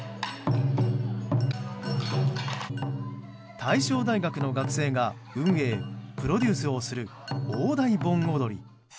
大正大学の学生が運営・プロデュースをする鴨台盆踊り。